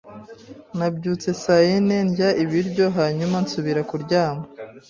Nabyutse saa yine, ndya ibiryo, hanyuma nsubira kuryama.